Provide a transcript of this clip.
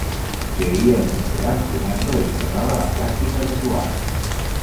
Creía en mejorar jugando e ignoraba la práctica habitual.